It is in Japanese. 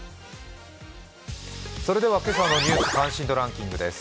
それでは今朝の「ニュース関心度ランキング」です。